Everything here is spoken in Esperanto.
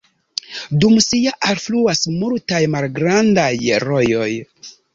Dum sia alfluas multaj malgrandaj rojoj.